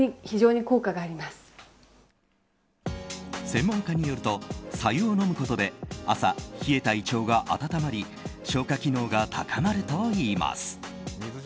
専門家によると白湯を飲むことで朝、冷えた胃腸が温まり消化機能が高まるといいます。